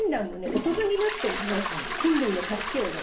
大人になってもね菌類の助けをね